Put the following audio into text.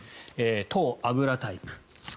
糖、油タイプ。